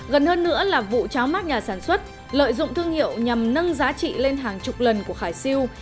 gần hơn nữa là vụ cháo mát nhà sản xuất lợi dụng thương hiệu nhằm nâng giá trị lên hàng chục lần của khải siêu